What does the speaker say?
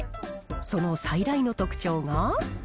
その最大の特徴が。